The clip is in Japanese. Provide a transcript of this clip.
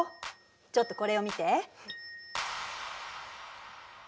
ちょっとこれを見て。